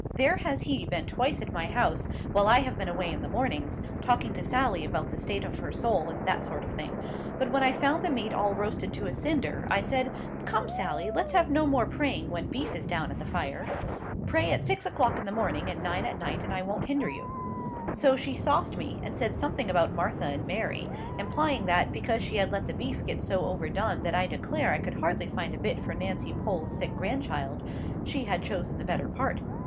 There has he been twice at my house, while I have been away in the mornings, talking to Sally about the state of her soul and that sort of thing. But when I found the meat all roasted to a cinder, I said, 'Come, Sally, let's have no more praying when beef is down at the fire. Pray at six o'clock in the morning and nine at night, and I won't hinder you.' So she sauced me, and said something about Martha and Mary, implying that, because she had let the beef get so overdone that I declare I could hardly find a bit for Nancy Pole's sick grandchild, she had chosen the better part.